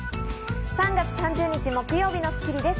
３月３０日、木曜日の『スッキリ』です。